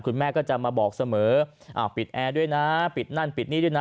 คุณแม่ก็จะมาบอกเสมอปิดแอร์ด้วยนะปิดนั่นปิดนี่ด้วยนะ